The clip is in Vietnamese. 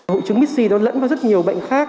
hội chứng mis c lẫn vào rất nhiều bệnh khác